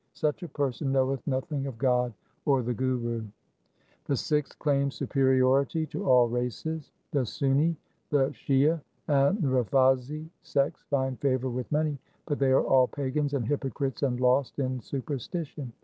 Such a person knoweth nothing of God or the Guru. 2 The Sikhs claim superiority to all races :— The Sunni, the Shiah, and the Rafazi sects find favour with many, but they are all pagans and hypocrites and lost in superstition.